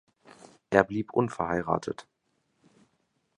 Er blieb unverheiratet.